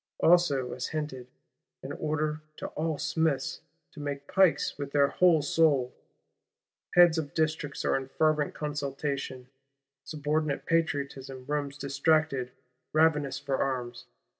Also as hinted, an order to all Smiths to make pikes with their whole soul. Heads of Districts are in fervent consultation; subordinate Patriotism roams distracted, ravenous for arms.